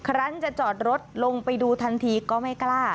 ครั้งจะจอดรถลงไปดูทันทีก็ไม่กล้า